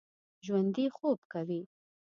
ژوندي خوب کوي